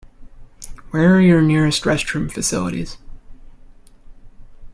Where are your nearest restroom facilities?